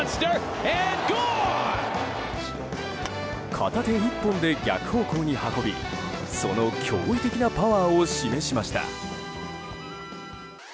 片手一本で逆方向に運びその驚異的なパワーを示しました。